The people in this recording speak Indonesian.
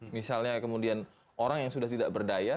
misalnya kemudian orang yang sudah tidak berdaya